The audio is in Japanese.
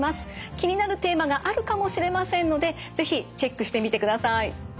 気になるテーマがあるかもしれませんので是非チェックしてみてください。